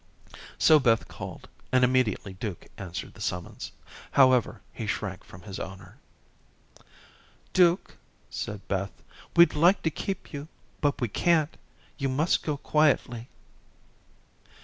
So Beth called, and immediately Duke answered the summons. However, he shrank from his owner. "Duke," said Beth, "we'd like to keep you, but we can't. You must go quietly."